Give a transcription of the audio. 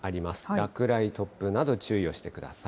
落雷、突風など、注意をしてください。